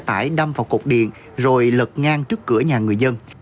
xe tải đâm vào cục điện rồi lật ngang trước cửa nhà người dân